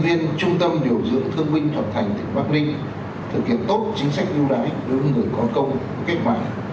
trong bộ trưởng tô lâm